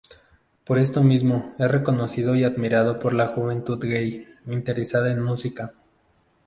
Por esto mismo, es reconocido y admirado por la juventud gay, interesada en música.